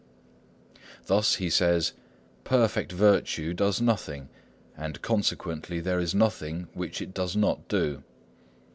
Thus he says, "Perfect virtue does nothing, and consequently there is nothing which it does not do."